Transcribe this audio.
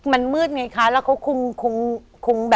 มันมืดไงคะแล้วเขาคงแบบ